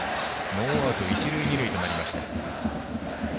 ノーアウト、一塁二塁となりました。